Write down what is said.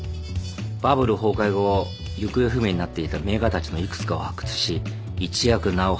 バブル崩壊後行方不明になっていた名画たちのいくつかを発掘し一躍名をはせた。